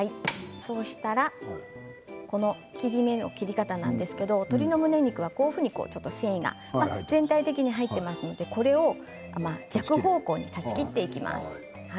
そうしたら切り身の切り方なんですけど鶏むね肉は全体的に繊維が入っていますので逆方向に断ち切っていきます。